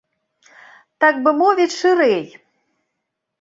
Так бы мовіць, шырэй.